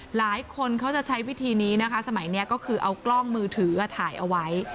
หลายคนเขาจะใช้วิธีนี้นะคะสมัยนี้ก็คือเอากล้องมือถือถ่ายเอาไว้